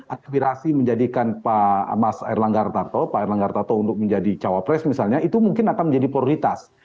aspirasi menjadikan pak mas erlangga hartarto pak erlangga tato untuk menjadi cawapres misalnya itu mungkin akan menjadi prioritas